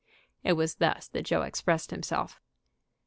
It was thus that Joe expressed himself.